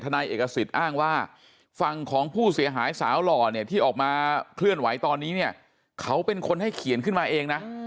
นายเอกสิทธิ์อ้างว่าฝั่งของผู้เสียหายสาวหล่อเนี่ยที่ออกมาเคลื่อนไหวตอนนี้เนี่ยเขาเป็นคนให้เขียนขึ้นมาเองนะ